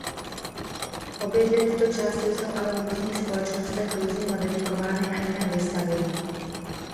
Obě dvě tyto části jsou ale v různých společnostech různě modifikovány a jinak vystavěny.